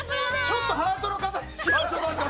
ちょっとハートの。